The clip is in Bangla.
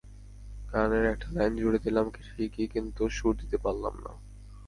গানের একটা লাইন জুড়ে দিলাম ঠিকই কিন্তু সুর দিতে পারলাম না।